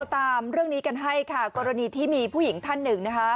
ตามเรื่องนี้กันให้ค่ะกรณีที่มีผู้หญิงท่านหนึ่งนะคะ